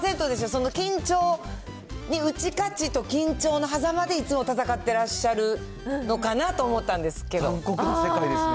その緊張に打ち勝ちと、緊張のはざまでいつも戦ってらっしゃるのかなと思ったんですけど世界ですね。